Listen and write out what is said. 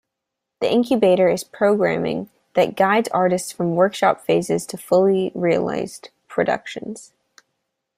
The Incubator is programming that guides artists from workshop phases to fully realized productions.